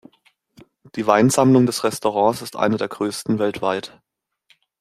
Die Weinsammlung des Restaurants ist eine der größten weltweit.